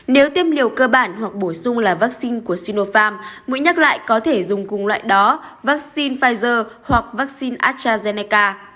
nếu tiêm liều cơ bản hoặc bổ sung là vaccine của sinopharm mới nhắc lại có thể dùng cùng loại đó vaccine pfizer hoặc vaccine astrazeneca